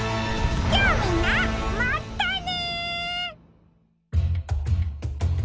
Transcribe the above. じゃあみんなまったね！